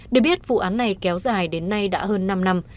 để biết vụ án này kéo dài đến nay đã hơn năm năm